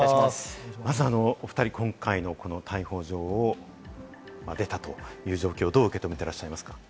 まずお２人、今回のこの逮捕状、出たという状況をどう受け止めていらっしゃいますか？